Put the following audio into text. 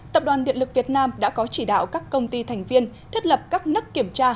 tập đoàn điện lực việt nam đã có chỉ đạo các công ty thành viên thiết lập các nấc kiểm tra